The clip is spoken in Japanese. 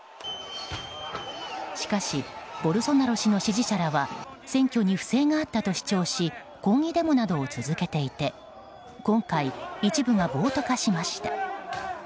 しかしボルソナロ氏の支持者らは選挙に不正があったと主張し抗議デモなどを続けていて今回、一部が暴徒化しました。